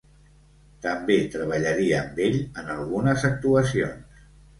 També treballaria amb ell en algunes actuacions.